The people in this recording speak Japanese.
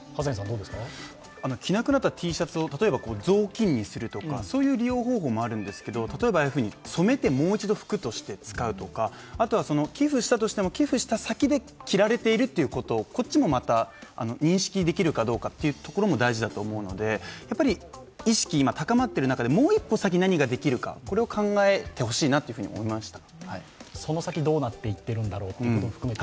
着なくなったＴシャツを雑巾にするとかそういう利用方法もあるんですけど、例えばああいうふうに染めてもう一度、服として着るとか、あとは、寄付したとしても寄付した先で着られているということこっちもまた認識できるかどうかというところも大事だと思うので意識、今高まっている中で、もう一歩先に何ができるか、これを考えてほしいなと思いました。